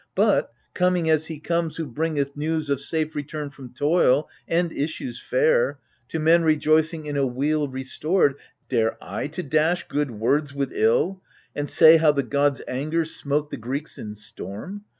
But — coming as he comes who bringeth news Of safe return from toil, and issues fair, To men rejoicing in a weal restored — Dare I to dash good words with ill, and say How the gods' anger smote the Greeks in storm